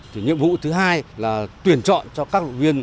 thứ hai là tuyển chọn cho các vận động viên